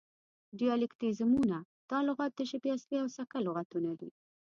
دیالیکتیزمونه: دا لغات د ژبې اصلي او سکه لغتونه دي